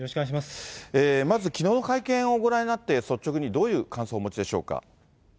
まずきのうの会見をご覧になって、率直にどういう感想をお持ちでしょうか。